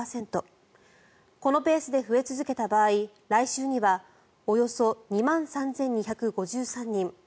このペースで増え続けた場合来週にはおよそ２万３２５３人。